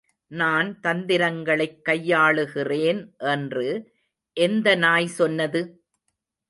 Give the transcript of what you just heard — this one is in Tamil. நான் தந்திரங்களைக் கையாளுகிறேன் என்று எந்த நாய் சொன்னது?